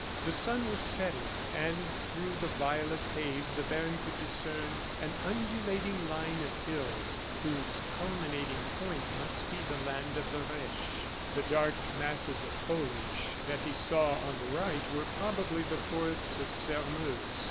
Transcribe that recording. The sun was setting; and through the violet haze the baron could discern an undulating line of hills, whose culminating point must be the land of the Reche. The dark masses of foliage that he saw on the right were probably the forests of Sairmeuse.